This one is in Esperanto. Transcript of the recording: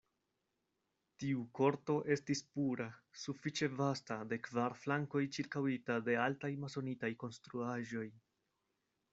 Tiu korto estis pura, sufiĉe vasta, de kvar flankoj ĉirkaŭita de altaj masonitaj konstruaĵoj.